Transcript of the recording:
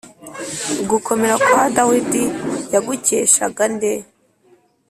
Gukomera kwa dawidi yagukeshaga nde